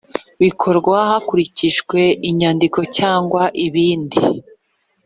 bikorwa hakurikijwe inyandiko cyangwa ibindi